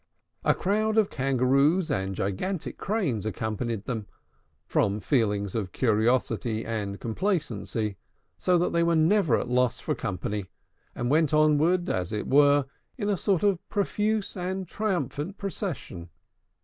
A crowd of Kangaroos and gigantic Cranes accompanied them, from feelings of curiosity and complacency; so that they were never at a loss for company, and went onward, as it were, in a sort of profuse and triumphant procession.